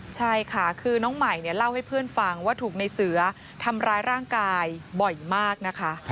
ใช่ค่ะคือน้องใหม่เนี่ยเล่าให้เพื่อนฟังว่าถูกในเสือทำร้ายร่างกายบ่อยมากนะคะ